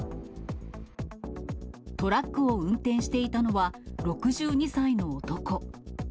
トラックを運転していたのは、６２歳の男。